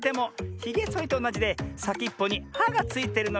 ひげそりとおなじでさきっぽにはがついてるのミズよ。